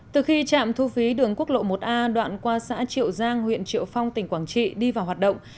từ khi trạm thu phí đường quốc lộ một a đoạn qua xã triệu giang huyện triệu phong tỉnh quảng trị đi vào hoạt động